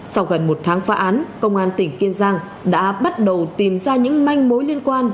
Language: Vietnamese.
sau gần một tháng phá án công an tỉnh kiên giang đã bắt đầu tìm ra những manh mối liên quan